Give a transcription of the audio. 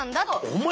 お前。